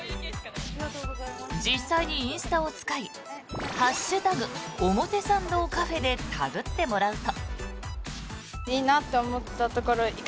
実際にインスタを使い「＃表参道カフェ」でタグってもらうと。